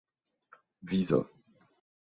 vizo